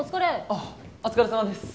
あっお疲れさまです。